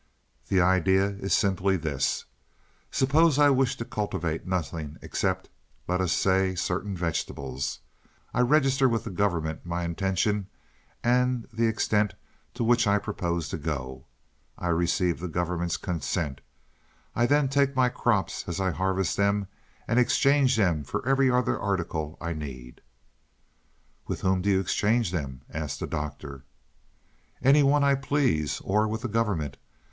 "The idea is simply this: Suppose I wish to cultivate nothing except, let us say, certain vegetables. I register with the government my intention and the extent to which I propose to go. I receive the government's consent. I then take my crops as I harvest them and exchange them for every other article I need." "With whom do you exchange them?" asked the Doctor. "Any one I please or with the government.